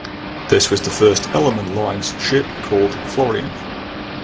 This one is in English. This was the first Ellerman Lines ship called "Florian".